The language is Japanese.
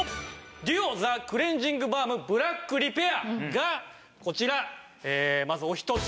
ＤＵＯザクレンジングバームブラックリペアがこちらまずお一つ。